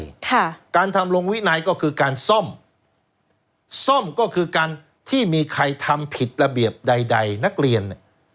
ค่ะการทำลงวินัยก็คือการซ่อมซ่อมก็คือการที่มีใครทำผิดระเบียบใดใดนักเรียนเนี่ย